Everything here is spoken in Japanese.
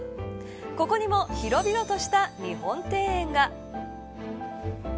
ここにも広々とした日本庭園が。